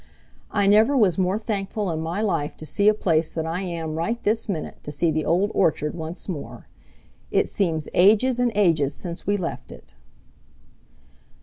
"I never was more thankful in my life to see a place than I am right this minute to see the Old Orchard once more. It seems ages and ages since we left it."